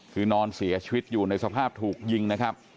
คือนอนเสียชีวิตอยู่ในสภาพถูกยิงนะครับ